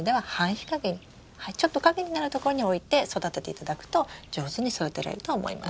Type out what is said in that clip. ちょっと陰になる所に置いて育てていただくと上手に育てられると思います。